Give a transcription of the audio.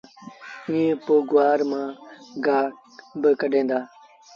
ائيٚݩ پو گُوآر مآݩ گآه باڪڍين دآ۔